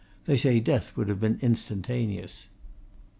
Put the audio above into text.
They say death would be instantaneous."